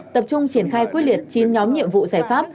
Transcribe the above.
tập trung triển khai quyết liệt chín nhóm nhiệm vụ giải pháp